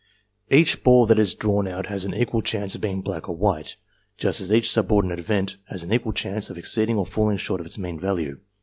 Each ball that is drawn out has an equal chance of being black or white, just as each subordinate event has an equal chance of exceeding or falling short of its mean value.